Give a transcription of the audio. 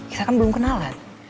kita kan belum kenalan